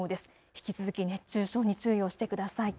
引き続き熱中症に注意をしてください。